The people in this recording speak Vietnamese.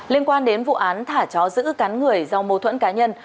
liên quan đến vụ án thả chó giữ cắn người do mâu thuẫn cá nhân